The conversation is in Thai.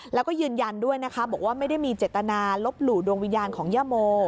แล้วก็ยืนยันด้วยนะคะบอกว่าไม่ได้มีเจตนาลบหลู่ดวงวิญญาณของย่าโม